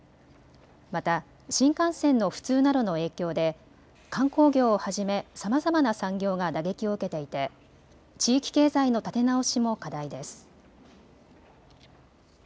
また、新幹線の不通などの影響で観光業をはじめ、さまざまな産業が打撃を受けていて地域経済の立て直しも課題です。